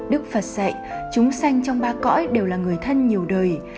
đức phật dạy chúng xanh trong ba cõi đều là người thân nhiều đời